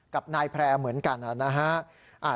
กับนายแพร่เหมือนกันนะฮะ